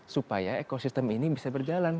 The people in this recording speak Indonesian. supaya ekosistem ini bisa berjalan